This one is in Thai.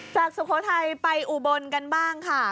จากสุโภไทยไปอุบลกันบ้างค่ะ